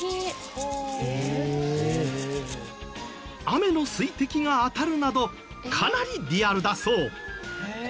雨の水滴が当たるなどかなりリアルだそう！